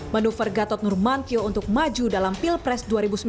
manuver gatot nurmantio untuk maju dalam pilpres dua ribu sembilan belas